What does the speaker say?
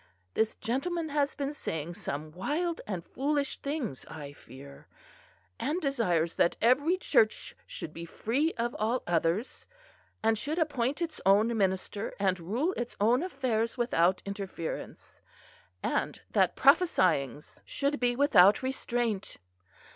This gentleman has been saying some wild and foolish things, I fear; and desires that every church should be free of all others; and should appoint its own minister, and rule its own affairs without interference, and that prophesyings should be without restraint.